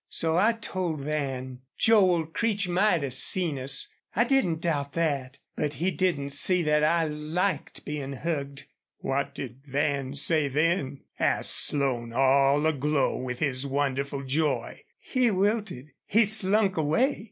So I told Van Joel Creech might have seen us I didn't doubt that but he didn't see that I liked being hugged." "What did Van say then?" asked Slone, all aglow with his wonderful joy. "He wilted. He slunk away....